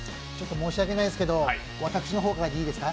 申し訳ないですけど、私の方からでいいですか？